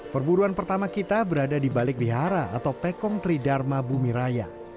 perburuan pertama kita berada di balik lihara atau pekong tridharma bumiraya